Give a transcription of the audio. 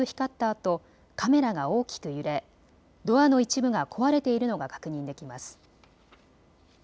あとカメラが大きく揺れドアの一部が壊れているのが確認できます。